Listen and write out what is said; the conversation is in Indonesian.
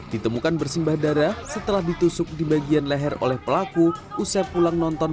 ditemukan bersimbah darah setelah ditusuk di bagian leher oleh pelaku usai pulang nonton